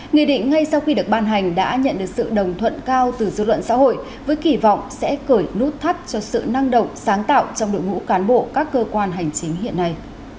nghị định ngay sau khi được ban hành đã nhận được sự đồng thuận cao từ dư luận xã hội với kỳ vọng sẽ cởi nút thắt cho sự năng động sáng tạo trong đội ngũ cán bộ các cơ quan hành chính hiện nay